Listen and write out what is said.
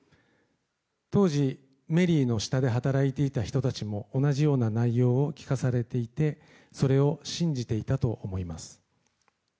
当時、メリーの下で働いていた人たちも同じような内容を聞かされていてそれを信じていたと思います。